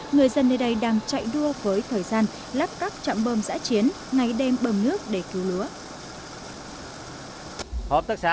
người dân nơi đây đang chạy đua với thời gian lắp các trạm bôm giả chiến ngay đêm bầm nước để cứu lúa